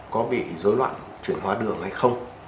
có bị dối loạn chuyển hóa đường hay không